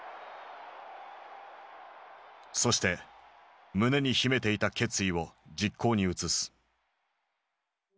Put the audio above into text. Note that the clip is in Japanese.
そして胸に秘めていた決意を実行に移す。